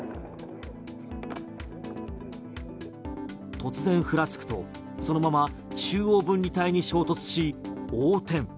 突然ふらつくとそのまま中央分離帯に衝突し横転。